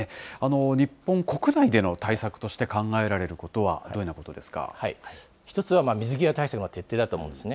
日本国内での対策として考えられることは、どのようなことで１つは水際対策の徹底だと思うんですね。